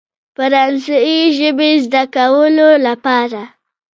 فرانسوي ژبې زده کولو لپاره.